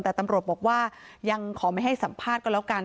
แต่ตำรวจบอกว่ายังขอไม่ให้สัมภาษณ์ก็แล้วกัน